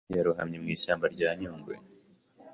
yarohamye mu ishyamba rya Nyungwe